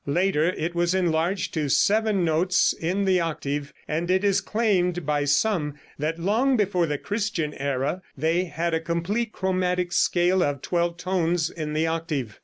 Later it was enlarged to seven notes in the octave, and it is claimed by some that long before the Christian era they had a complete chromatic scale of twelve tones in the octave.